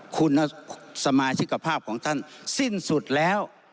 คุณสมาชิกภาพของท่านสิ้นสุดแล้ว